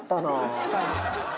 確かに。